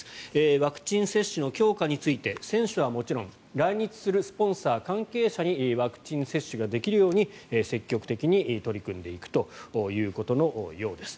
ワクチン接種の強化について選手はもちろん来日するスポンサー、関係者にワクチン接種ができるように積極的に取り組んでいくということのようです。